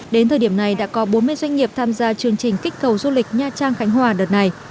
đến thời điểm này đã có bốn mươi doanh nghiệp tham gia chương trình kích cầu du lịch nha trang khánh hòa đợt này